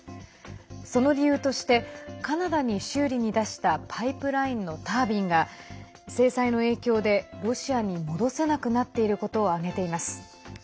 その理由としてカナダに修理に出したパイプラインのタービンが制裁の影響でロシアに戻せなくなっていることを挙げています。